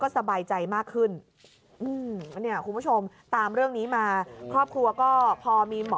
สบายใจมากขึ้นเนี่ยคุณผู้ชมตามเรื่องนี้มาครอบครัวก็พอมีหมอ